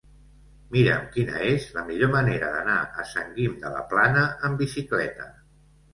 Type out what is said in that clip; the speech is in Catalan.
Mira'm quina és la millor manera d'anar a Sant Guim de la Plana amb bicicleta.